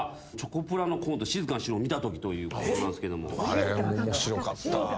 あれ面白かった。